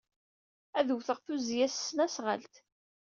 Ad d-wteɣ tuzzya s tesnasɣalt.